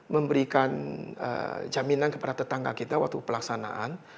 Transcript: memberikan jaminan kepada tetangga kita waktu pelaksanaan